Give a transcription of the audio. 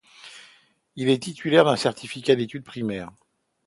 Il est titulaire du certificat d'études primaire.